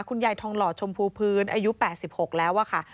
คุณยายทองหล่อชมพูพื้นอายุ๘๖แล้วค่ะ